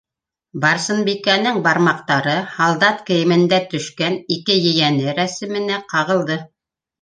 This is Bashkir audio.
Барсынбикәнең бармаҡтары һалдат кейемендә төшкән ике ейәне рәсеменә ҡағылды.